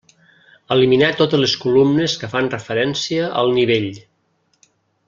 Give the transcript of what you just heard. Eliminar totes les columnes que fan referència al Nivell.